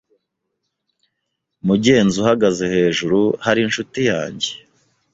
Mugenzi uhagaze hejuru hari inshuti yanjye.